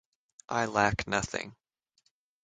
I lack nothing.